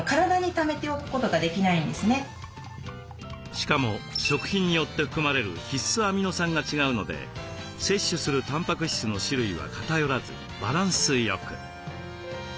しかも食品によって含まれる必須アミノ酸が違うので摂取するたんぱく質の種類は偏らずバランスよく。